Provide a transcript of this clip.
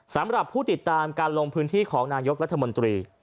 สำหรับผู้ติดตามการลงพื้นที่ของนายกรัฐมนตรี